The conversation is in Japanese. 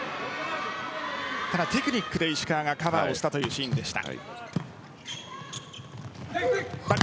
ただ、テクニックで石川がカバーをしたというシーンでした。